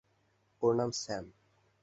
ওর নাম স্যাম।